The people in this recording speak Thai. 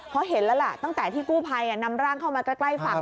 เพราะเห็นแล้วล่ะตั้งแต่ที่กู้ภัยนำร่างเข้ามาใกล้ฝั่ง